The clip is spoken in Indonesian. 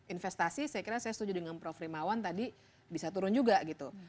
investasi saya kira saya setuju dengan prof rimawan tadi bisa turun juga gitu